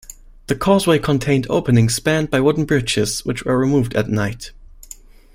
The causeway contained openings spanned by wooden bridges, which were removed at night.